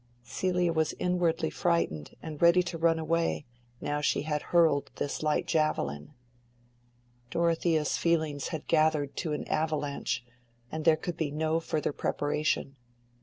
Celia was inwardly frightened, and ready to run away, now she had hurled this light javelin. Dorothea's feelings had gathered to an avalanche, and there could be no further preparation.